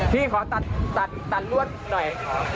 พี่ขอตัดลวดหน่อย